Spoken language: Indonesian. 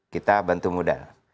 kita bantu modal